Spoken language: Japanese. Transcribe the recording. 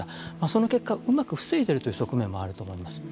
その結果、うまく防いでいるという側面もあると思います。